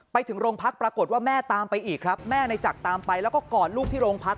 ไปถึงโรงพักปรากฏว่าแม่ตามไปอีกครับแม่ในจักรตามไปแล้วก็กอดลูกที่โรงพัก